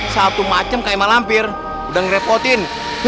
satu macam kayak malampir udah ngerepotin